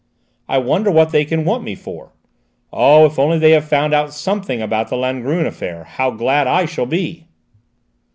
"I wonder what they can want me for? Oh, if only they have found out something about the Langrune affair, how glad I shall be!"